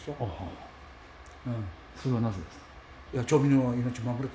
それはなぜですか？